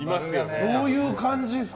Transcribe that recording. どういう感じですか？